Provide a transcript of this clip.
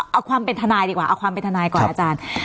เอาความเป็นทนายดีกว่าเอาความเป็นทนายก่อนอาจารย์